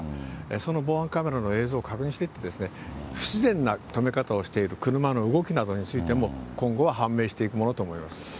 その防犯カメラの映像を確認していって、不自然な止め方をしている車の動きなどについても、今後は判明していくものと思います。